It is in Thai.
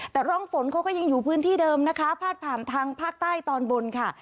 แต่ร่องฝนเขาก็ยังอยู่พื้นที่เดิมนะคะพาดผ่านทางภาคใต้ตอนบนค่ะ